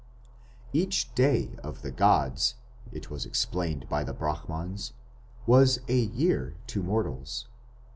Each day of the gods, it was explained by the Brahmans, was a year to mortals.